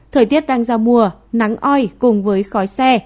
thời tiết đang giao mùa nắng oi cùng với khói xe